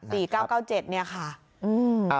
๔๙๙๗นี่ค่ะ